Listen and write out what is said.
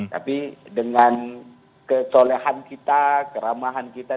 tapi dengan kecolehan kita keramahan kita